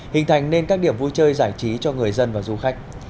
hình thành nên các điểm vui chơi giải trí cho người dân và du khách